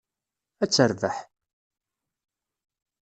Ad terbeḥ.